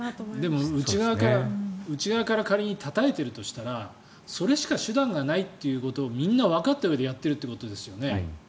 でも内側から仮にたたいているとしたらそれしか手段がないということをみんなわかったうえでやっているということですよね。